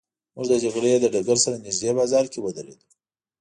موږ د جګړې له ډګر سره نږدې بازار کې ودرېدو.